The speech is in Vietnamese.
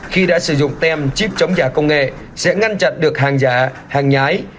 khi đã sử dụng tem chip chống giả công nghệ sẽ ngăn chặn được hàng giả hàng nhái